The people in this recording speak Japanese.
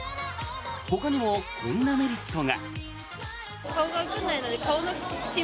ほかにもこんなメリットが。